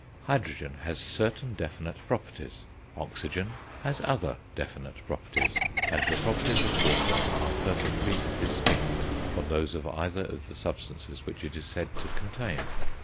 Hydrogen has certain definite properties, oxygen has other definite properties, and the properties of water are perfectly distinct from those of either of the substances which it is said to contain.